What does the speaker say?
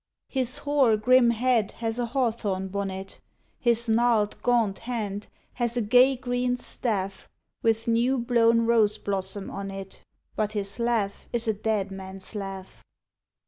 His hoar grim head has a hawthorn bonnet, His gnarled gaunt hand has a gay green staff With new blown rose blossom on it: But his laugh is a dead man's laugh.